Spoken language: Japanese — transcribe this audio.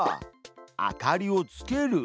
「明かりをつける」。